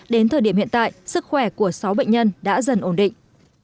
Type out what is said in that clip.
đến thời điểm hiện tại sức khỏe của sáu bệnh nhân đã dần ổn định